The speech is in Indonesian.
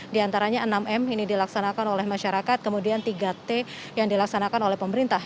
di antaranya enam m ini dilaksanakan oleh masyarakat kemudian tiga t yang dilaksanakan oleh pemerintah